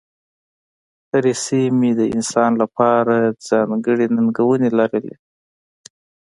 هرې سیمې د انسان لپاره ځانګړې ننګونې لرلې.